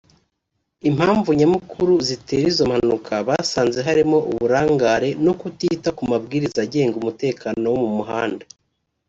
Impamvu Nyamukuru zitera izo mpanuka basanze harimo uburangare no kutita ku mabwiriza agenga umutekano wo mu muhanda